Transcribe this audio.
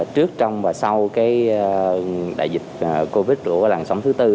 trước trong và sau cái đại dịch covid của làng sống thứ tư